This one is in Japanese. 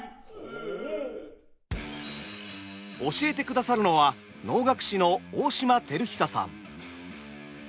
教えてくださるのは能楽師の大島輝久さん。